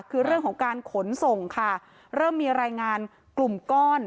คือเรื่องของการขนส่งค่ะเริ่มมีรายงานกลุ่มก้อน